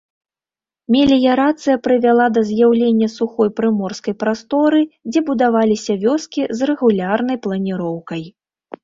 Меліярацыя прывяла да з'яўлення сухой прыморскай прасторы, дзе будаваліся вёскі з рэгулярнай планіроўкай.